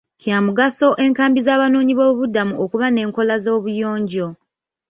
Kya mugaso enkambi z'abanoonyiboobubudamu okuba n'enkola z'obuyonjo.